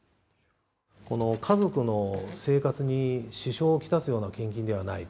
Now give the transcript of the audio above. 家族の生活に支障をきたすような献金ではないと。